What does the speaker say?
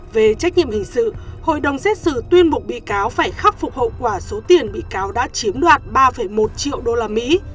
về trách nhiệm hình sự hội đồng xét xử tuyên mục bị cáo phải khắc phục hậu quả số tiền bị cáo đã chiếm đoạt ba một triệu usd